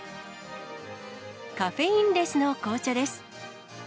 カフェインレスの紅茶です。